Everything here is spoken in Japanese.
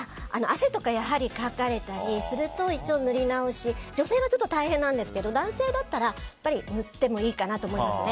汗とかをかかれたりすると一応塗り直し女性は大変なんですけど男性だったら塗ってもいいかなと思います。